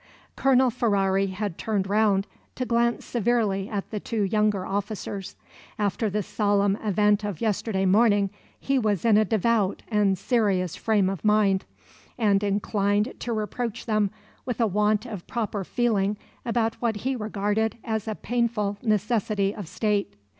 Colonel Ferrari had turned round to glance severely at the two younger officers. After the solemn event of yesterday morning he was in a devout and serious frame of mind, and inclined to reproach them with a want of proper feeling about what he regarded as "a painful necessity of state."